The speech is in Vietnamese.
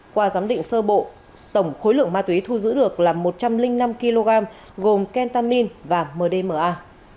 qua giám định sơ bộ tổng khối lượng ma túy thu giữ được là một trăm linh năm kg gồm kentamin và mdma